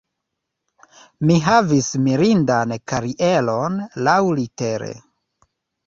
Mi havis mirindan karieron laŭlitere.